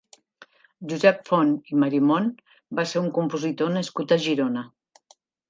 Josep Font i Marimont va ser un compositor nascut a Girona.